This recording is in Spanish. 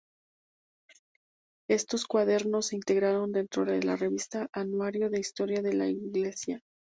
Estos Cuadernos se integraron dentro de la revista Anuario de Historia de la Iglesia.